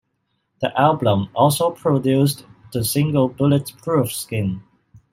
The album also produced the single Bullet Proof Skin.